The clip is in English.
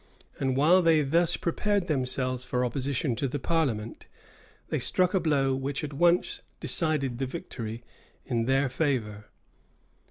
And while they thus prepared themselves for opposition to the parliament, they struck a blow which at once decided the victory in their favor.